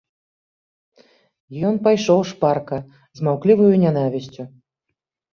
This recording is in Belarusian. Ён пайшоў шпарка, з маўкліваю нянавісцю.